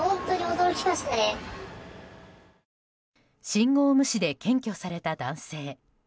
信号無視で検挙された男性。